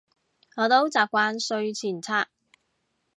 我都習慣睡前刷